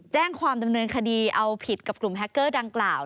แจ้งความดำเนินคดีเอาผิดกับกลุ่มแฮคเกอร์ดังกล่าว